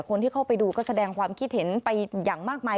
คนที่เข้าไปดูก็แสดงความคิดเห็นไปอย่างมากมาย